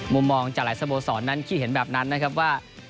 มุมมองจากหลายสโมสรนั้นขี้เห็นแบบนั้นนะครับว่า